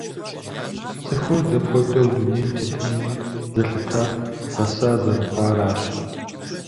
ЦӀыхур дапхуэдэу дунейм тетынуми зэлъытар гъэса зэрыхъуаращ.